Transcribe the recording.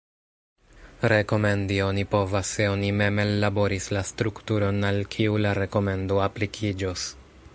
Rekomendi oni povas se oni mem ellaboris la strukturon al kiu la rekomendo aplikiĝos.